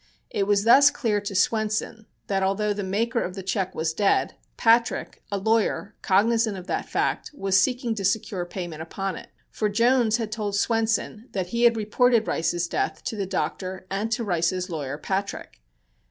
It was thus clear to Swenson that although the maker of the check was dead, Patrick, a lawyer, cognizant of that fact, was seeking to secure payment upon it. For Jones had told Swenson that he had reported Rice's death to the doctor and to Rice's lawyer, Patrick.